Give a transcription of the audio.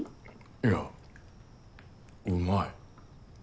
いやうまい！